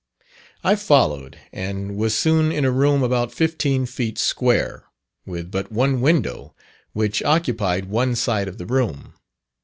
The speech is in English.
I followed, and was soon in a room about fifteen feet square, with but one window, which occupied one side of the room.